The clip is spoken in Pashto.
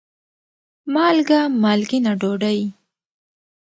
مالګه : مالګېنه ډوډۍ